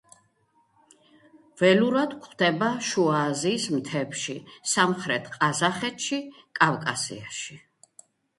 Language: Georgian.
ველურად გვხვდება შუა აზიის მთებში, სამხრეთ ყაზახეთში, კავკასიაში.